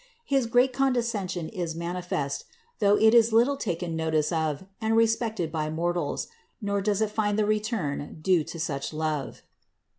His great condescension is manifest, though it is little taken notice of and respected by mortals, nor does it find the return due to such love.